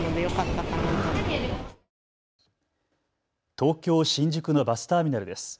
東京・新宿のバスターミナルです。